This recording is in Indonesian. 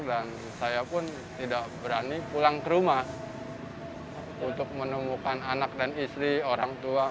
dan saya pun tidak berani pulang ke rumah untuk menemukan anak dan istri orang tua